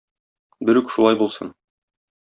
Берүк шулай булсын!